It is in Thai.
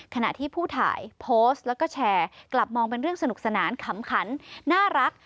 ขณะที่ผู้ถ่ายโพสต์แล้วก็แชร์กลับมองเป็นเรื่องสนุกสนานขำขันน่ารัก